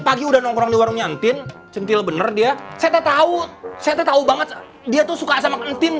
suka sama kentin kum